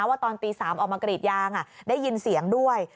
ว่าตอนตี๓ออกมากรีดยางได้ยินเสียงด้วย